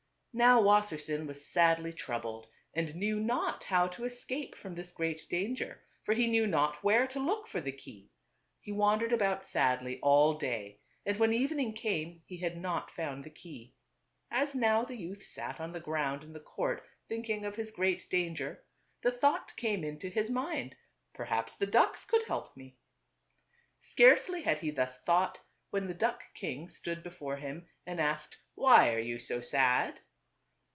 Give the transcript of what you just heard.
Now Wassersein was sadly troubled and knew not how to escape from this great danger, for he knew not where to look for the key. He wan dered about sadly all day and when evening came he had not found the key. As now the youth sat on the ground in the court thinking of his great TWO BROTHERS. danger, the thought came into his mind, " Per haps the ducks could help me." Scarcely had he thus thought, when the duck king stood before him and asked, "Why are you so sad